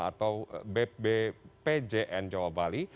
atau bbpjn jawa bali